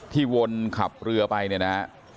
วนขับเรือไปเนี่ยนะฮะ